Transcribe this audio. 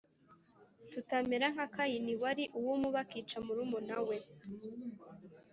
tutamera nka Kayini wari uw’Umubi, akica murumuna we.